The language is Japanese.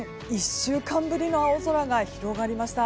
１週間ぶりの青空が広がりました。